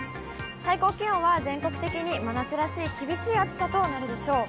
最高気温は全国的に真夏らしい厳しい暑さとなるでしょう。